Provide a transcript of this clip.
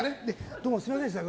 どうもすみませんでした。